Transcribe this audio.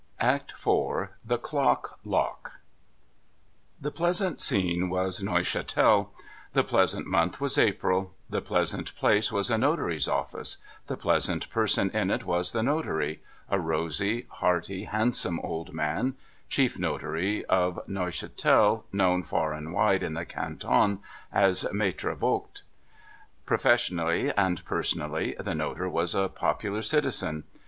V"' ACT IV THE CLOCK LOCK The pleasant scene was Neuchatel; the pleasant month was April; the pleasant place was a notary's office ; the pleasant person in it was the notary : a rosy, hearty, handsome old man, chief notary of Neuchatel, known far and wide in the canton as Maitre Voigt. Professionally and personally, the notary was a popular citizen.